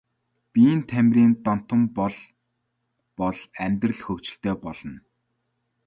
Биеийн тамирын донтон бол бол амьдрал хөгжилтэй болно.